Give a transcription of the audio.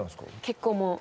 結構もう。